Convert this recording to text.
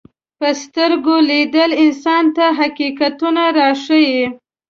په سترګو لیدل انسان ته حقیقتونه راښيي